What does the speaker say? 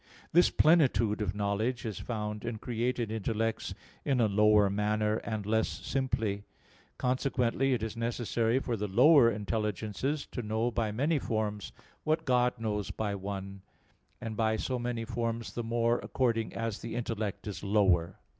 This plenitude of knowledge is found in created intellects in a lower manner, and less simply. Consequently it is necessary for the lower intelligences to know by many forms what God knows by one, and by so many forms the more according as the intellect is lower.